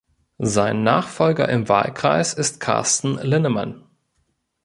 Sein Nachfolger im Wahlkreis ist Carsten Linnemann.